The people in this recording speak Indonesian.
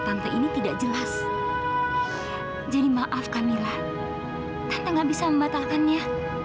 tante gak bisa membatalkannya